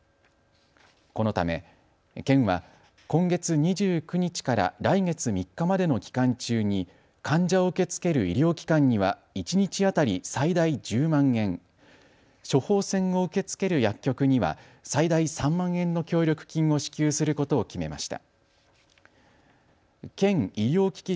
このため県は今月２９日から来月３日までの期間中に患者を受け付ける医療機関には一日当たり最大１０万円、処方箋を受け付ける薬局には最大３万円の協力金を支給することを決めました。